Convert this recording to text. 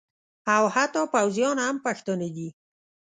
او حتی پوځیان هم پښتانه دي